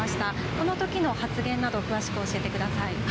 このときの発言など詳しく教えてください。